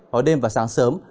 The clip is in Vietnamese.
hồi đêm và sáng sớm